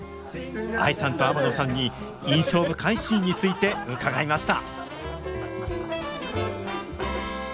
ＡＩさんと天野さんに印象深いシーンについて伺いました。